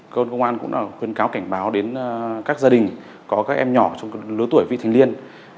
cơ quan cũng đã khuyên cáo cảnh báo đến các gia đình có các em nhỏ trong lứa tuổi vị thành liên